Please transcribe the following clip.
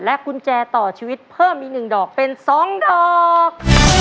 และกุญแจต่อชีวิตเพิ่มอีกหนึ่งดอกเป็นสองดอก